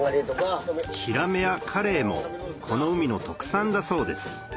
ヒラメやカレイもこの海の特産だそうです